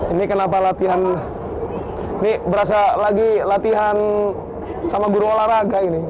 ini kenapa latihan ini berasa lagi latihan sama guru olahraga ini